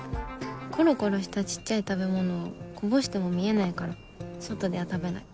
コロコロした小っちゃい食べ物はこぼしても見えないから外では食べない。